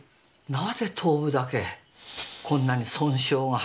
なぜ頭部だけこんなに損傷が激しいと思う？